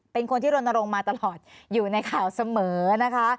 เป็นคนที่รณรงค์มาตลอดอยู่ในข่าวเสมอนะคะ